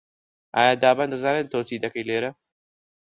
ئایا دابان دەزانێت تۆ چی دەکەیت لێرە؟